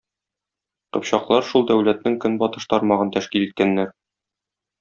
Кыпчаклар шул дәүләтнең көнбатыш тармагын тәшкил иткәннәр.